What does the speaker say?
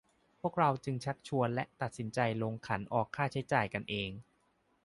พวกเราจึงชักชวน และ ตัดสินใจ ลงขันออกค่าใช้จ่ายกันเอง